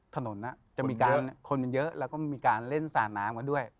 ถนนจะมีการคนกันเยอะแล้วก็มีการเล่นสาดน้ำกันด้วย